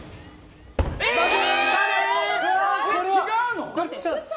違うの？